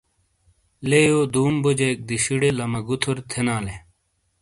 لیئو دُوم بوجیک دِیشِیڑے لما گُوتھُر تھینا لے۔